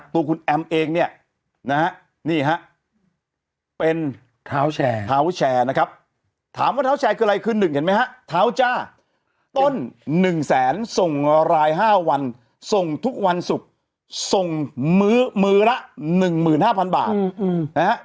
ต้นหนึ่งแสนส่งรายห้าวันส่งทุกวันศุกร์ส่งมื้อมื้อละหนึ่งหมื่นห้าพันบาทนะฮะ